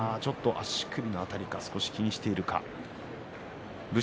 足首の辺り気にしているか。